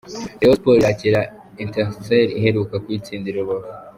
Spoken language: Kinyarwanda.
Rayon Sports irakira Etincelles iheruka kuyitsindira i Rubavu.